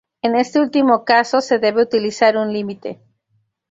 En este último caso, se debe utilizar un límite.